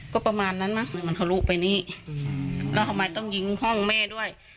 ก็ประมาณนั้นมั้งมันทะลุไปนี้แล้วทำไมต้องยิงห้องแม่ด้วย